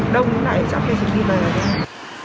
đông lắm này chắc là chị đi về rồi